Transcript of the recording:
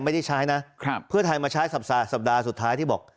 ไม่ได้ใช้นะครับเพื่อไทยมาใช้สัปดาห์สุดท้ายที่บอก